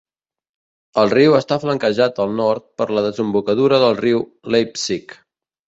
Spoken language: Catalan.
El riu està flanquejat al nord per la desembocadura del riu Leipsic.